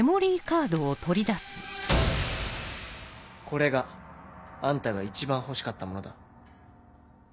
これがあんたが一番欲しかったものだ。